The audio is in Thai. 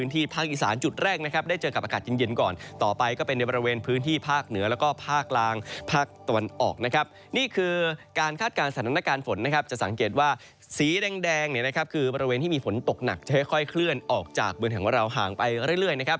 ที่แดงเนี่ยนะครับคือบริเวณที่มีฝนตกหนักจะค่อยเคลื่อนออกจากเบือนแห่งว่าเราห่างไปเรื่อยนะครับ